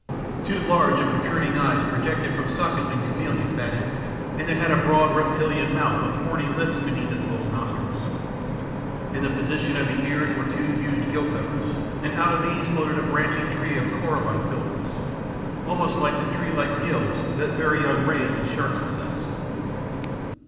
Two large and protruding eyes projected from sockets in chameleon fashion, and it had a broad reptilian mouth with horny lips beneath its little nostrils. In the position of the ears were two huge gill covers, and out of these floated a branching tree of coralline filaments, almost like the tree like gills that very young rays and sharks possess.